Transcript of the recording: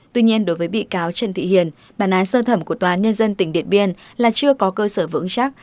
tuy nhiên đối với bị cáo trần thị hiền bản án sơ thẩm của tòa án nhân dân tỉnh điện biên là chưa có cơ sở vững chắc